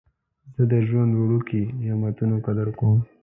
زه د ژوند وړوکي نعمتونه قدر کوم.